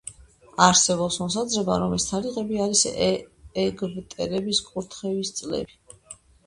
არსებობს მოსაზრება, რომ ეს თარიღები არის ეგვტერების კურთხევის წლები.